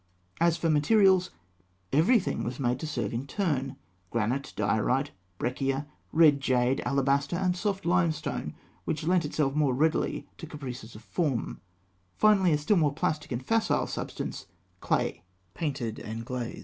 As for materials, everything was made to serve in turn granite, diorite, breccia, red jade, alabaster, and soft limestone, which lent itself more readily to caprices of form; finally, a still more plastic and facile substance clay, painted and glazed.